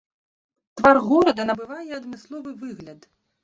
Твар горада набывае адмысловы выгляд.